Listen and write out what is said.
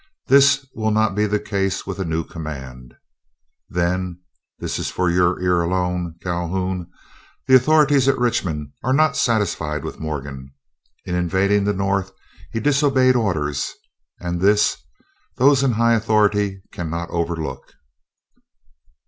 This will not be the case with a new command. Then, this is for your ear alone, Calhoun, the authorities at Richmond are not satisfied with Morgan. In invading the North he disobeyed orders; and this, those high in authority cannot overlook."